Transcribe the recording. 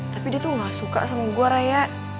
tapi dia tuh gak suka sama gue raya